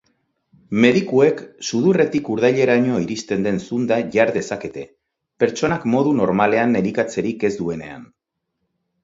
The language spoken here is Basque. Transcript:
Medikuek sudurretik urdaileraino iristen den zunda jar dezakete, pertsonak modu normalean elikatzerik ez duenean.